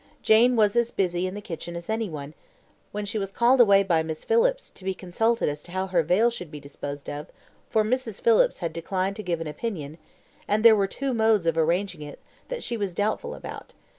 Jane was as busy in the kitchen as any one; when she was called away by Miss Phillips, to be consulted as to how her veil should be disposed of, for Mrs. Phillips had declined to give an opinion and there were two modes of arranging it that she was doubtful about.